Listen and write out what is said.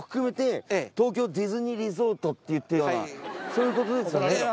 そういうことですよね？